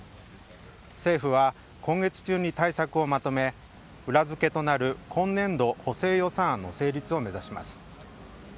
政府は今月中に対策をまとめ、裏付けとなる今年度補正予算案の成立を目指します。